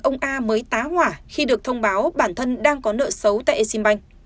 ông a mới tá hỏa khi được thông báo bản thân đang có nợ xấu tại eximbank